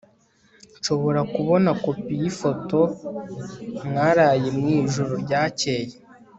nshobora kubona kopi yifoto mwaraye mwijoro ryakeye